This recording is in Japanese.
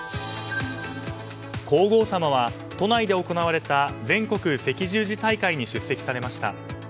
皇后さまは都内で行われた全国赤十字大会に出席されました。